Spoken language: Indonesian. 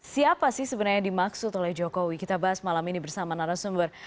siapa sih sebenarnya dimaksud oleh jokowi kita bahas malam ini bersama narasumber